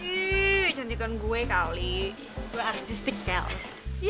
ih cantikkan gue kali gue artistik kelas